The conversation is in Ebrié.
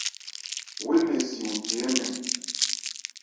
Wo énɛn si wo the hɛ́nmɛn.